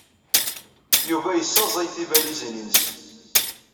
Yuba yessaẓey tibalizin-nnes.